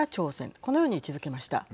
このように位置づけました。